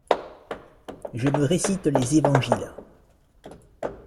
Je me récite les évangiles.